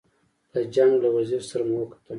له جنګ له وزیر سره مو وکتل.